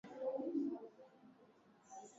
pekee yake serikali inaweza kuakilisha katika mahakama